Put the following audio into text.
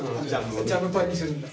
ジャムパンにするんだ？